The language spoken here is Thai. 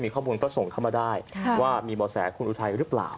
ข้อมูลก็ส่งเข้ามาได้ว่ามีบ่อแสคุณอุทัยหรือเปล่า